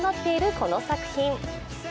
この作品。